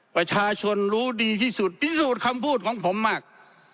ประชาชนรู้ดีที่สุดพิสูจน์คำพูดของผมมาก